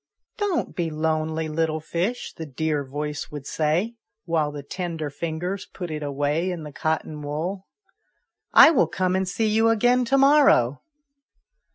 " Don't be lonely, little fish," the dear voice would say, while the tender fingers put it away in the cotton wool. "I will come and see you again to morrow."